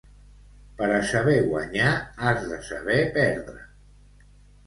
Per a saber guanyar has de saber perdre.